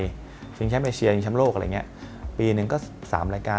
สีไทยลิงก์แชมป์เอเชียอย่างนี้ปีนึงก็๓รายการ